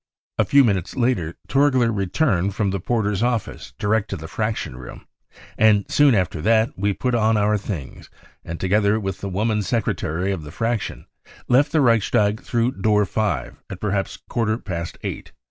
A few minutes later Torgler returned from the porter's office direct to the Fraction room, and soon after that we put on our things and, together with the woman secretary of the Fraction, left the Reichstag through door 5 at perhaps a quarter past eight.